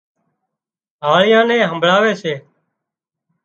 هاۯيئان نين همڀۯاوي سي